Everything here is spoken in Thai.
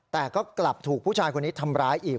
แต่ก็กลับถูกผู้ชายคนนี้ทำร้ายอีก